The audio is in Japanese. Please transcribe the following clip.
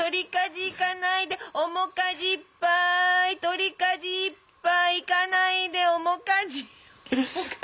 いかないで面かじいっぱい取りかじいっぱいいかないで面かじ面かじ。